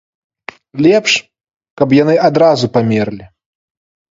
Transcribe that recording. Лепш, каб яны адразу памерлі.